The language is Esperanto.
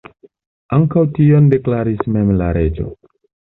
Ankaŭ tion deklaris mem la reĝo.